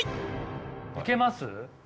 いけます？